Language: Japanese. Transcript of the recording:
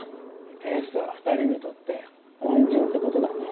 エースは二人にとって恩人ってことだね